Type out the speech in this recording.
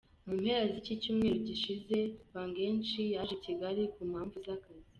Mu mpera z’icyumweru gishize, Wangechi yaje i Kigali ku mpamvu z’akazi.